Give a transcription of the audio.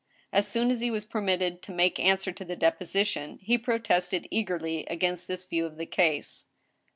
As soon as he was permitted to make answer to the deposition, he protested eagerly against this view of the case.